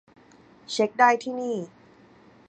เช็กได้ที่นี่